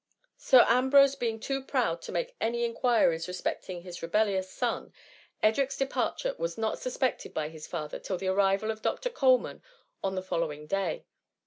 Sir Ambrose being too proud to make any enquiries respecting his rebellious son, Edric's departure was not suspected by hi« father till the arrival of Dr. Coleman on the following day.